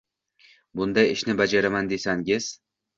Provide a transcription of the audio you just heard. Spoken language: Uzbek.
Bunday ishni bajaraman desangiz.